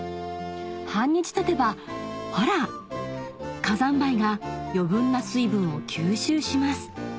半日たてばほら火山灰が余分な水分を吸収します